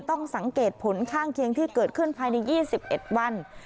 ต้องสังเกตผลข้างเคียงที่เกิดขึ้นภายใน๒๑วัน